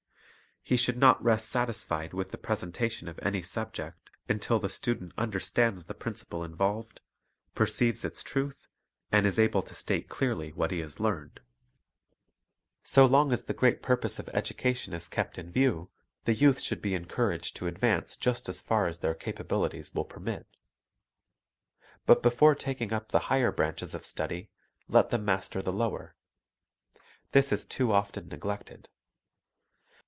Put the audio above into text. He should not rest satisfied with the presentation of any subject until the student understands the principle involved, perceives its truth, and is able to state clearly what he has learned. So long as the great purpose of education is kept Mastery of j n v j ew the youth should be encouraged to advance Fundamentals ° just as far as their capabilities will permit. But before taking up the higher branches of study, let them master the lower. This is too often neglected.